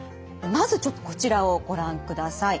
まずちょっとこちらをご覧ください。